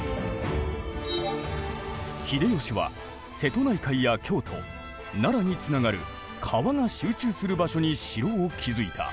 秀吉は瀬戸内海や京都奈良につながる川が集中する場所に城を築いた。